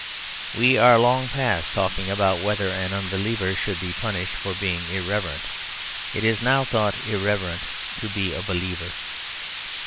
We are long past talking about whether an unbeliever should be punished for being irreverent. It is now thought irreverent to be a believer.